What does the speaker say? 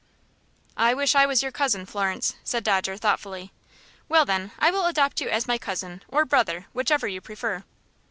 "I wish I was your cousin, Florence," said Dodger, thoughtfully. "Well, then, I will adopt you as my cousin, or brother, whichever you prefer!"